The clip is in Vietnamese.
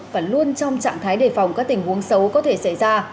và luôn trong trạng thái đề phòng các tình huống xấu có thể xảy ra